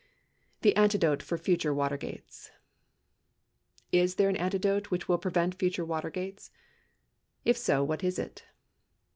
Tun Antidote for Future Watergates Is there an antidote which will prevent future Watergates? If so, what is it.